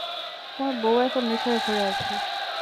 তোমার বউ এখন নেশার ঘোরে আছে।